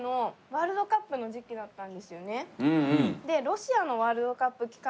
でロシアのワールドカップ期間中で。